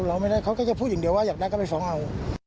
ร้องไม่ได้เขาก็จะพูดอย่างเดียวว่าอยากได้ก็ไปฟ้องเอา